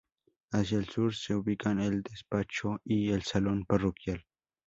Hacia el sur se ubican el Despacho y el Salón Parroquial.